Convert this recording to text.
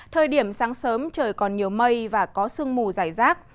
thời điểm sáng sớm trời còn nhiều mây và có sương mù dài rác